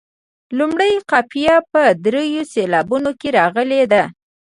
لومړۍ قافیه په دریو سېلابونو کې راغلې ده.